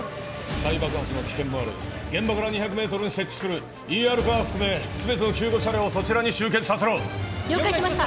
再爆発の危険もある現場から２００メートルに設置するＥＲカーを含め全ての救護車両をそちらに集結させろ了解しました！